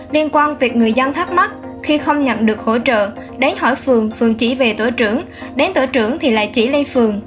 liên quan việc người dân thắc mắc khi không nhận được hỗ trợ đến hỏi phường phường chỉ về tổ trưởng đến tổ trưởng thì lại chỉ lê phường